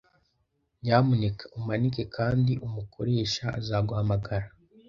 Nyamuneka umanike kandi umukoresha azaguhamagara